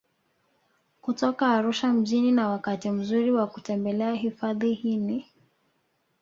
Kutoka Arusha mjini na wakati mzuri wa kutembelea hifadhi hii ni